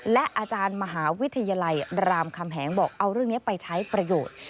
และอาจารย์มหาวิทยาลัยรามคำแหงบอกเอาเรื่องนี้ไปใช้ประโยชน์